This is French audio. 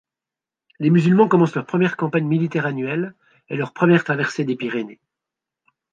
Les musulmans commencent leur première campagne militaire annuelle et leur première traversée des Pyrénées.